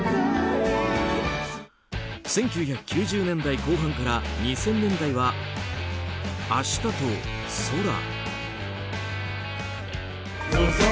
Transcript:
１９９０年代後半から２０００年代は明日と空。